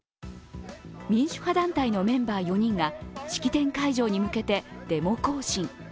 民主派団体のメンバー４人が式典会場に向けてデモ行進。